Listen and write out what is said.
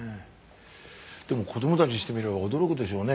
でも子どもたちにしてみれば驚くでしょうね。